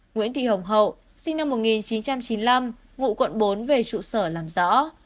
nguyễn thị hồng hậu sinh năm một nghìn chín trăm chín mươi năm ngụ quận bốn về trụ sở làm rõ